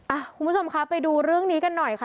คุณผู้ชมคะไปดูเรื่องนี้กันหน่อยค่ะ